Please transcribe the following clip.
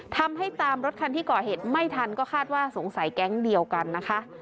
ทำให้ตามรถคันที่ก่อเหตุไม่ทันก็คาดว่าสงสัยแก๊งเดียวกันนะคะ